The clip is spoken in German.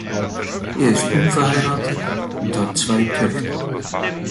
Er ist unverheiratet und hat zwei Töchter.